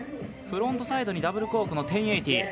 フロントサイドにダブルコークの１０８０。